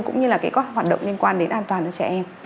cũng như là các hoạt động liên quan đến an toàn cho trẻ em